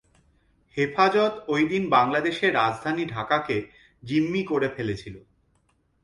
হেফাজত ওই দিন বাংলাদেশের রাজধানী ঢাকাকে জিম্মি করে ফেলেছিল।